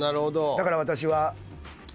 だから私は。